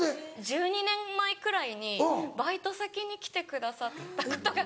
１２年前くらいにバイト先に来てくださったことが。